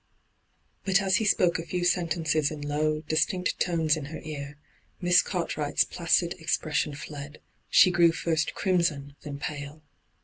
But as he spoke a few sentences in low, distinct tones in her ear, Miss Cartwright's placid expression fled — she grew first crimson, then pale.